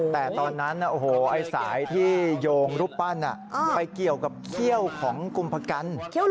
แต่ตอนนั้นสายที่โยงรูปปั้นไปเกี่ยวกับเขี้ยวของกลุ่มพกัน